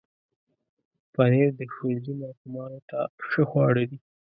پنېر د ښوونځي ماشومانو ته ښه خواړه دي.